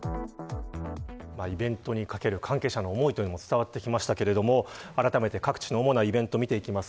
イベントにかける関係者の思いというのが伝わってきましたがあらためて各地の主なイベントを見ていきます。